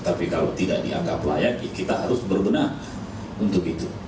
tapi kalau tidak dianggap layak kita harus berbenah untuk itu